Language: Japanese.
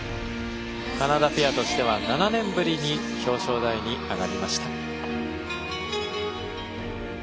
カナダペアとしては７年ぶりに表彰台に上がりました。